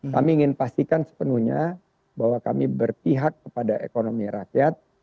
kami ingin pastikan sepenuhnya bahwa kami berpihak kepada ekonomi rakyat